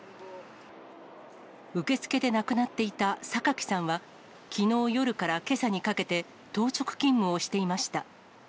受付で亡くなっていた榊さんは、きのう夜からけさにかけて、当直勤務をしていました。